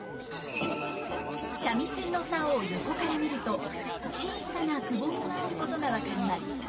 三味線の棹を横から見ると小さなくぼみがあることが分かります。